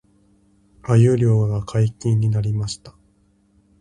鮎漁が解禁になりました